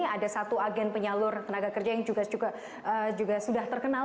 ada satu agen penyalur tenaga kerja yang juga sudah terkenal